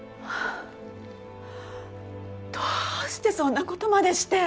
どうしてそんな事までして！